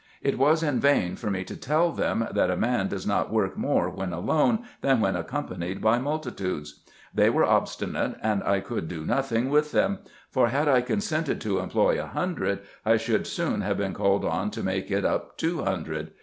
It was in vain for me to tell them, that a man does not work more when alone, than when accompanied by multitudes. They were obstinate, and I could do nothing with them ; for had I consented to employ a hundred, I should soon have been called on to make it up two hundred.